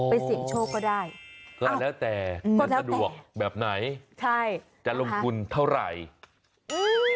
ไปเสี่ยงโชคก็ได้ก็แล้วแต่อืมแบบไหนใช่จะลงกุลเท่าไรอืม